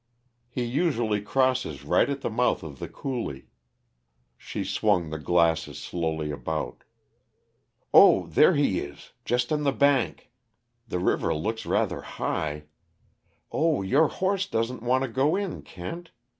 "He usually crosses right at the mouth of the coulee " She swung the glasses slowly about. "Oh, there he is just on the bank. The river looks rather high oh, your horse doesn't want to go in, Kent.